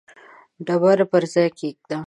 ډبره پر ځای کښېږده.